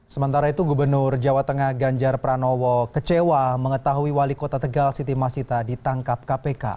sementara itu gubernur jawa tengah ganjar pranowo kecewa mengetahui wali kota tegal siti masita ditangkap kpk